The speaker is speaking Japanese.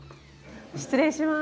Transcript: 失礼します。